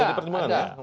jadi pertimbangan ya